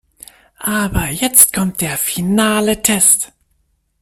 Aber jetzt kommt der finale Test.